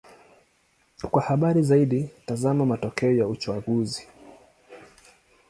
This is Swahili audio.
Kwa habari zaidi: tazama matokeo ya uchaguzi.